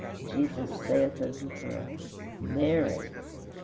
Jesus saith unto her, Mary!